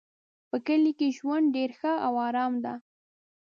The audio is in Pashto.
په کلي کې ژوند ډېر ښه او آرام ده